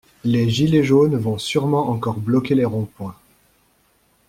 Les gilets jaunes vont surement encore bloquer les ronds points.